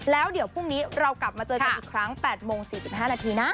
แล้วเดี๋ยวพรุ่งนี้เรากลับมาเจอกันอีกครั้ง๘โมง๔๕นาทีนะ